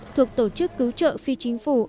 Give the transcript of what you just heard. thuộc tổ chức cứu trợ phi chính phủ